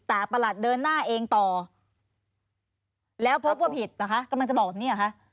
แต่ประหลัดเดินหน้าเองต่อแล้วพบว่าผิดเหรอคะกำลังจะบอกแบบนี้หรอคะ